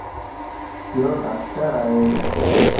يو ڊاڪٽر ائي